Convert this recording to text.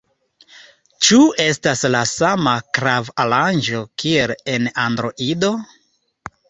Ĉu estas la sama klav-aranĝo kiel en Android?